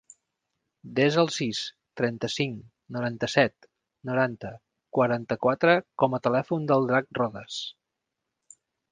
Desa el sis, trenta-cinc, noranta-set, noranta, quaranta-quatre com a telèfon del Drac Rodes.